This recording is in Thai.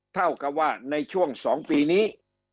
เท่ากับว่าในช่วง๒ปีนี้